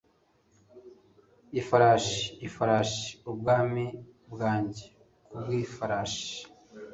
Ifarashi, ifarashi, ubwami bwanjye kubwifarashi